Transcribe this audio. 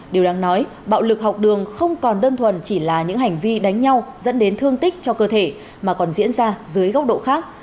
điều đáng nói bạo lực học đường không còn đơn thuần chỉ là những hành vi đánh nhau dẫn đến thương tích cho cơ thể mà còn diễn ra dưới góc độ khác